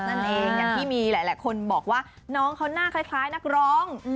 อย่างที่มีหลายคนบอกว่าน้องเขาหน้าคล้ายนักร้อง